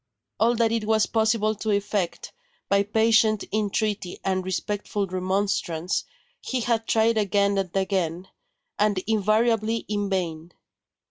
All that it was possible to effect, by patient entreaty and respectful remonstrance, he had tried again and again, and invariably in vain.